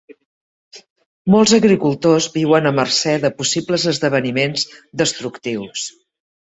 Molts agricultors viuen a mercè de possibles esdeveniments destructius.